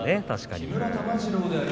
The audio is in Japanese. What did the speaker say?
確かに。